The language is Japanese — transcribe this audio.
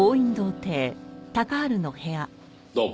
どうも。